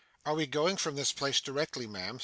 'Are we going from this place directly, ma'am?